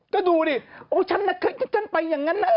ก็ดูดิโอ้ยฉันนะฉันไปอย่างนั้นนะ